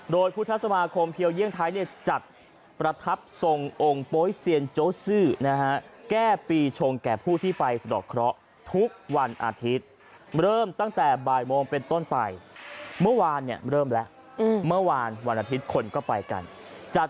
โดยพุทธสมาคมเพียวเยี่ยงไทยเนี้ยจัดประทับทรงองค์โป๊ยเซียนโจซื้อนะฮะ